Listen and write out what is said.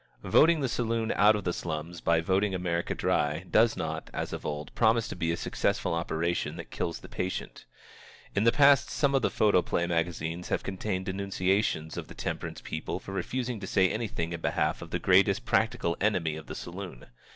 Voting the saloon out of the slums by voting America dry, does not, as of old, promise to be a successful operation that kills the patient. In the past some of the photoplay magazines have contained denunciations of the temperance people for refusing to say anything in behalf of the greatest practical enemy of the saloon.